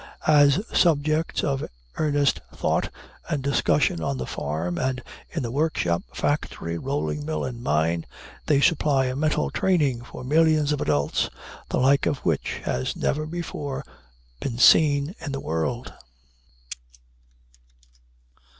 As subjects of earnest thought and discussion on the farm, and in the work shop, factory, rolling mill, and mine, they supply a mental training for millions of adults, the like of which has never before been seen in the world.